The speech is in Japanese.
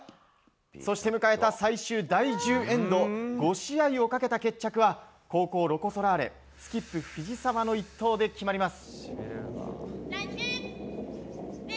そして迎えた最終第１０エンド５試合をかけた決着は後攻ロコ・ソラーレスキップ藤澤の一投で決まります。